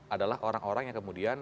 adalah orang orang yang kemudian